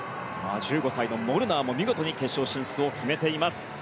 １５歳のモルナーも見事に決勝進出を決めています。